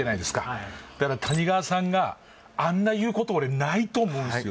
はい谷川さんがあんな言うこと俺ないと思うんすよ